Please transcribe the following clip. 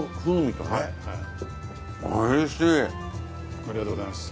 ありがとうございます。